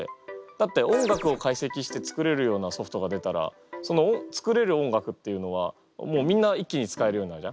だって音楽を解析して作れるようなソフトが出たらその作れる音楽っていうのはみんな一気に使えるようになるじゃん？